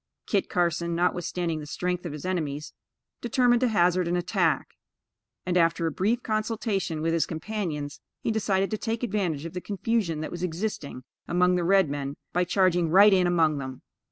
Kit Carson, notwithstanding the strength of his enemies, determined to hazard an attack; and, after a brief consultation with his companions, he decided to take advantage of the confusion that was existing among the red men by charging right in among them.